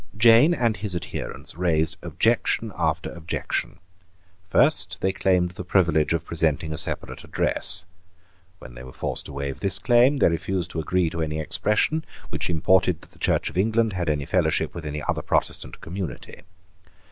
Jane and his adherents raised objection after objection. First they claimed the privilege of presenting a separate address. When they were forced to waive this claim, they refused to agree to any expression which imported that the Church of England had any fellowship with any other Protestant community.